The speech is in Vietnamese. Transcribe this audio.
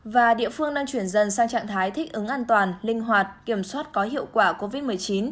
và địa phương đang chuyển dần sang trạng thái thích ứng an toàn linh hoạt kiểm soát có hiệu quả covid một mươi chín